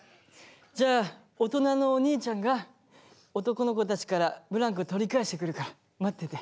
じゃあ大人のおにいちゃんが男の子たちからブランコ取り返してくるから待ってて。